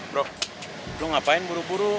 bro ngapain buru buru